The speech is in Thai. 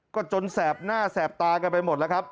ก็จนแสบหน้าแสบตากันไปหมดแล้วครับ